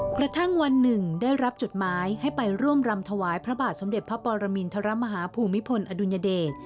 กระทั่งวันหนึ่งได้รับจดหมายให้ไปร่วมรำถวายพระบาทสมเด็จพระปรมินทรมาฮาภูมิพลอดุลยเดช